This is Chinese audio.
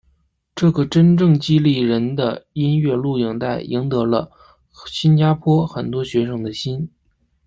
这个真正激励人的音乐录影带赢得了新加坡很多学生的心。